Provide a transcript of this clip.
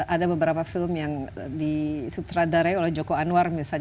ada beberapa film yang disutradarai oleh joko anwar misalnya